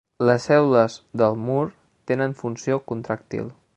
Les cèl·lules del mur tenen funció contràctil.